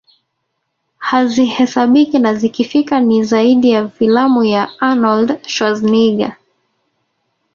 hazihesabiki na zikifika ni zaidi ya filamu ya Arnold Schwarzenegger